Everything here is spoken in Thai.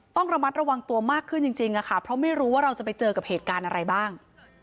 ต้องระมัดระวังตัวมากขึ้นจริงค่ะเพราะไม่รู้ว่าเราจะไปเจอกับเหตุการณ์อะไรบ้าง